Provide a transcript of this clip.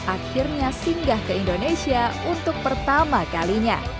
akhirnya singgah ke indonesia untuk pertama kalinya